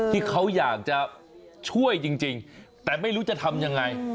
ที่เขาอยากจะช่วยจริงแต่ไม่รู้จะทำยังไง